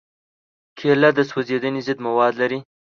کېله د سوځېدنې ضد مواد لري.